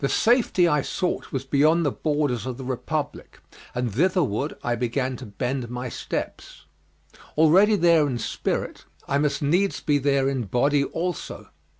The safety I sought was beyond the borders of the Republic, and thitherward I began to bend my steps. Already there in spirit, I must needs be there in body also.